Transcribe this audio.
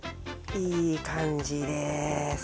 いい感じです